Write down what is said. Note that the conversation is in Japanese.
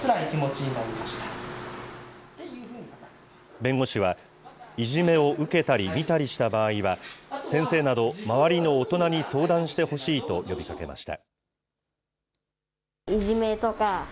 弁護士は、いじめを受けたり見たりした場合は、先生など、周りの大人に相談してほしいと呼びかけました。